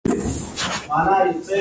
بیزو د انسانانو د عادتونو تقلید کوي.